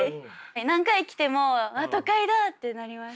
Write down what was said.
何回来ても「都会だ」ってなります。